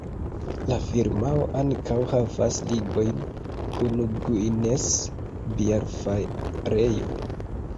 La firmao ankaŭ havas ligojn kun Guinness Bierfarejo.